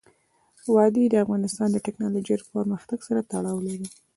وادي د افغانستان د تکنالوژۍ پرمختګ سره تړاو لري.